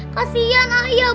kasian ayah bu